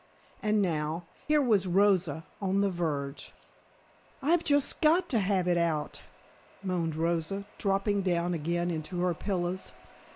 And now, here was Rosa on the verge! "I've just got to have it out!" moaned Rosa, dropping down again into her pillows.